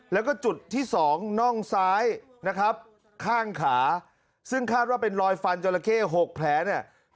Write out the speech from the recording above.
แล้วก็จุดที่สองน่องซ้ายนะครับข้างขาซึ่งคาดว่าเป็นรอยฟันจราเข้๖แผลเนี่ย